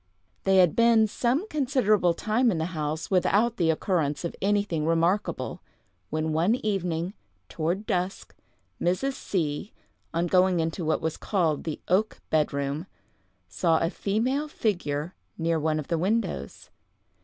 They had been some considerable time in the house without the occurrence of anything remarkable, when one evening, toward dusk, Mrs. C——, on going into what was called the oak bed room, saw a female figure near one of the windows.